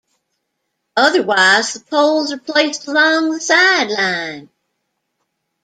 Otherwise, the poles are placed along the sideline.